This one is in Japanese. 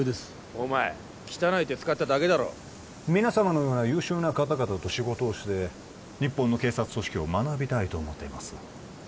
お前汚い手使っただけだろ皆様のような優秀な方々と仕事をして日本の警察組織を学びたいと思っています